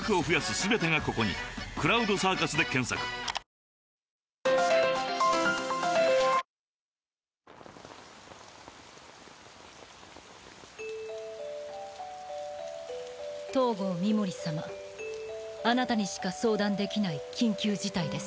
ザァーー東郷美森様あなたにしか相談できない緊急事態です。